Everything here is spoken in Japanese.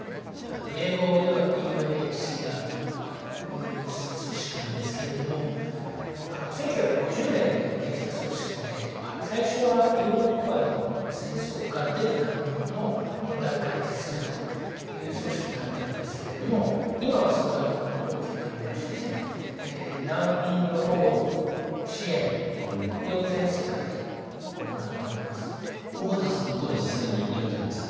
英語ではＵＮＨＣＲという組織なんですけれども１９５０年にできた組織で最初はヨーロッパの戦争から出た難民の問題を解決するという組織だったんですけれども今はそれがまた大きくなりまして緒方さんとは実際にやり取りもされた？